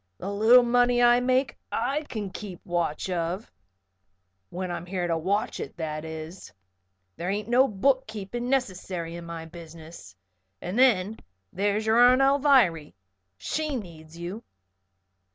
"The little money I make I kin keep watch of when I'm here to watch it, that is. There ain't no book keeping necessary in my business. And then there's your Aunt Alviry. She needs you."